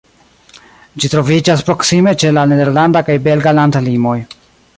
Ĝi troviĝas proksime ĉe la nederlanda kaj belga landlimoj.